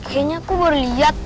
kayanya aku baru lihat